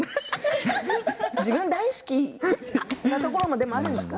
自分大好きなところもあるんですか。